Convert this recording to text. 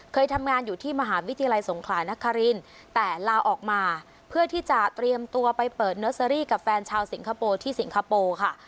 เคยทำงานอยู่ที่มหาวิทยาลัยสงขลานครินแต่ลาออกมาเพื่อที่จะเตรียมตัวไปเปิดเนอร์เซอรี่กับแฟนชาวสิงคโปร์ที่สิงคโปร์ค่ะ